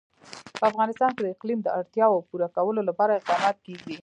په افغانستان کې د اقلیم د اړتیاوو پوره کولو لپاره اقدامات کېږي.